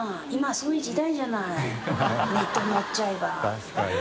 確かに。